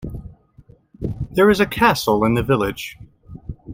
There is a castle in the village.